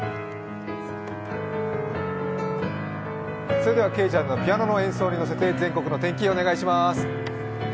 それではけいちゃんのピアノの演奏に乗せて全国の天気お願いします。